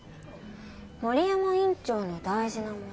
森山院長の大事なもの。